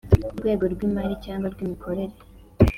rwego rw imari cyangwa rw imikorere